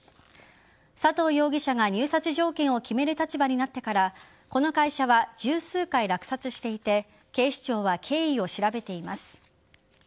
佐藤容疑者が入札条件を決める立場になってからこの会社は、十数回落札していて警視庁は経緯を調べています。